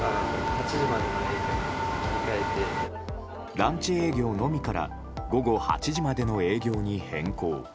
ランチ営業のみから午後８時までの営業に変更。